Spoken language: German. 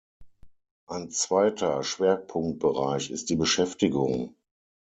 Ein zweiter Schwerpunktbereich ist die Beschäftigung.